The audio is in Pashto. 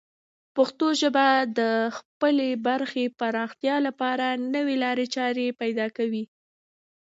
پښتو ژبه د خپلې برخې پراختیا لپاره نوې لارې چارې پیدا کوي.